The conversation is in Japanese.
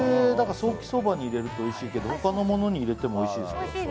ソーキそばに入れるとおいしいけど他のものに入れてもおいしいですから。